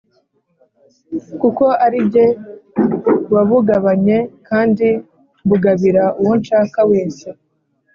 kuko arijye wabugabanye kandi mbugabira uwo nshaka wese